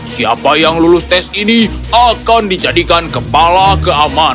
siapa yang lulus tes ini akan dijadikan kepala keamanan